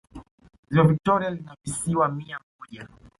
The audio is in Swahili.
ziwa victoria lina visiwa mia moja